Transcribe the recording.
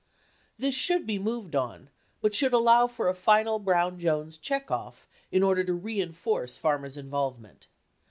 (This should be moved on but should allow for a final Brown Jones check off in order to re inforce Farmer's involvement.